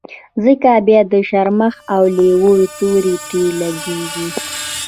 ځکه بيا د شرمښ او لېوه تور پرې لګېږي.